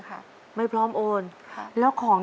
แต่ที่แม่ก็รักลูกมากทั้งสองคน